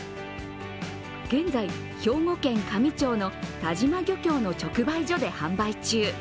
現在、兵庫県香美町の但馬漁協の販売所で販売中。